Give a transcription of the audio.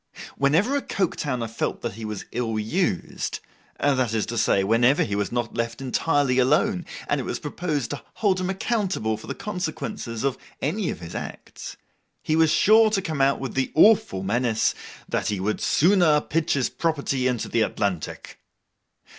Whenever a Coketowner felt he was ill used—that is to say, whenever he was not left entirely alone, and it was proposed to hold him accountable for the consequences of any of his acts—he was sure to come out with the awful menace, that he would 'sooner pitch his property into the Atlantic.